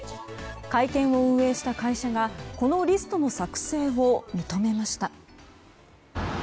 会見を運営した会社がこのリストの作成を認めました。